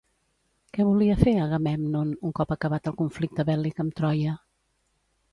Què volia fer Agamèmnon un cop acabat el conflicte bèl·lic amb Troia?